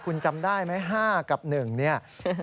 คุณจำได้ไหม๕กับ๑เนี่ย